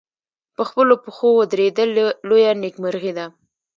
په خپلو پښو ودرېدل لویه نېکمرغي ده.